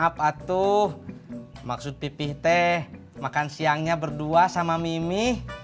maaf atuh maksud pipih teh makan siangnya berdua sama mimi